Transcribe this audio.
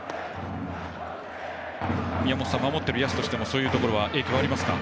宮本さん守っている野手としてはそういうところは影響ありますか。